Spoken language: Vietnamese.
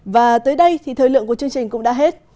và tới đây thì thời lượng của chương trình cũng đã hết